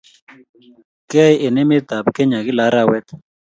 kIyae en emet ab kenya kila arawet